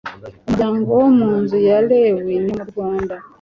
umuryango wo mu nzu ya lewi ni murwanda